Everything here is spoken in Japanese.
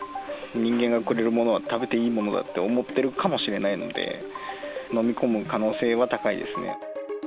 人間がくれるものは食べていいものだって思ってるかもしれないので、飲み込む可能性は高いですね。